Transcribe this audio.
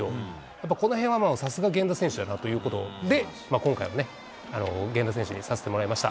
やっぱりこのへんはさすが源田選手だなということで、今回はね、源田選手にさせてもらいました。